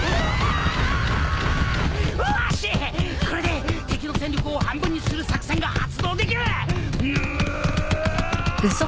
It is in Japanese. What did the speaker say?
これで敵の戦力を半分にする作戦が発動できる！ぬおおお！